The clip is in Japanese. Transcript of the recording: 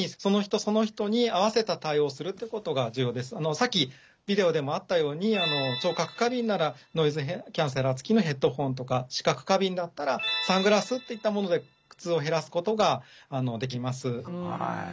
さっきビデオでもあったように聴覚過敏ならノイズキャンセラーつきのヘッドホンとか視覚過敏だったらサングラスっていったもので苦痛を減らすことができます。